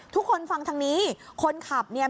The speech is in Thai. ฟังทางนี้คนขับเนี่ย